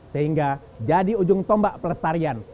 sehingga jadi ujung tombak pelestarian